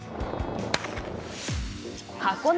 箱根